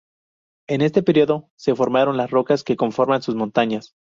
En este periodo se formaron las rocas que conforman sus montañas.